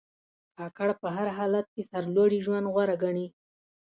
کاکړ په هر حالت کې سرلوړي ژوند غوره ګڼي.